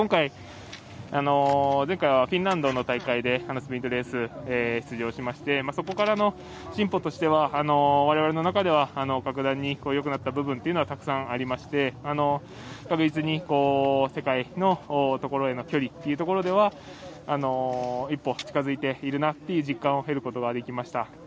前回、フィンランドの大会でスプリントレースに出場しましてそこからの進歩としては我々の中では格段によくなった部分というのはたくさんありまして確実に世界のところへの距離というところでは一歩近づいているなという実感を得ることができました。